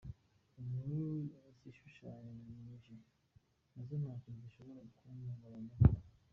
Inkuru zishushanyije nazo ntacyo zishobora kumpungabanyaho.